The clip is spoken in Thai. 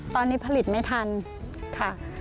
ตอนนี้ผลิตไม่ทันค่ะ